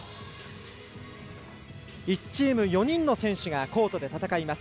１チーム４人の選手がコートで戦います。